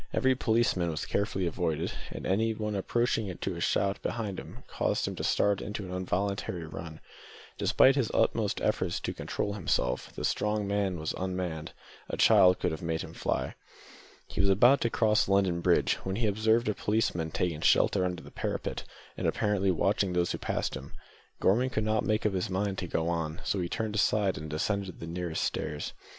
Every policeman was carefully avoided, and anything approaching to a shout behind caused him to start into an involuntary run. Despite his utmost efforts to control himself, the strong man was unmanned; a child could have made him fly. He was about to cross London Bridge, when he observed a policeman taking shelter under the parapet, and apparently watching those who passed him. Gorman could not make up his mind to go on, so he turned aside and descended the nearest stairs.